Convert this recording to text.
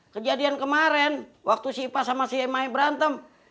kejadian kemarin waktu si ipa sama si emai berantem